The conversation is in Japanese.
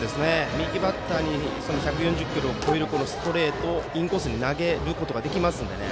右バッターに１４０キロを超えるストレートをインコースに投げることができますのでね。